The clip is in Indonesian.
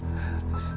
siap siap kemana ibu